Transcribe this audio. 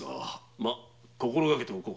ま心掛けておこう。